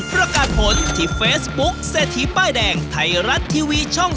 ประกาศผลที่เฟซบุ๊คเศรษฐีป้ายแดงไทยรัฐทีวีช่อง๓